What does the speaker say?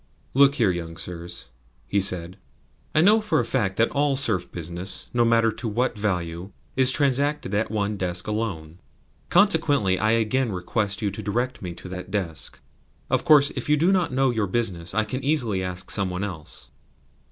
"Look here, young sirs," he said. "I know for a fact that all serf business, no matter to what value, is transacted at one desk alone. Consequently I again request you to direct me to that desk. Of course, if you do not know your business I can easily ask some one else."